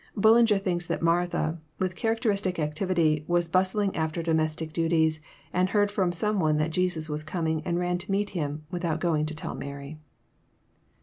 Bullinger thinks that Martha, with characteristic activity, was bustling after domestic duties, and heard jDrom some one that Jesus was coming, and ran to meet Him, without going to tell Mary.